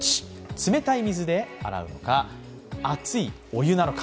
冷たい水で洗うのか、熱いお湯なのか。